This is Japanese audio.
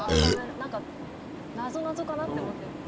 なぞなぞかなって思って。